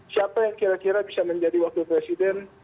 siapa yang kira kira bisa menjadi wakil presiden